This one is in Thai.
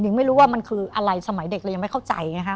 ไม่รู้ว่ามันคืออะไรสมัยเด็กเรายังไม่เข้าใจไงฮะ